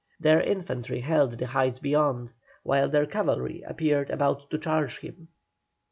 Their infantry held the heights beyond, while their cavalry appeared about to charge him.